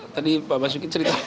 tadi bapak suki cerita